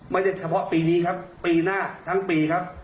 เฉพาะปีนี้ครับปีหน้าทั้งปีครับ